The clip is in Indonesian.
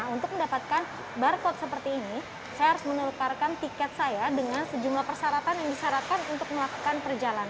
untuk mendapatkan barcode seperti ini saya harus menukarkan tiket saya dengan sejumlah persyaratan yang disyaratkan untuk melakukan perjalanan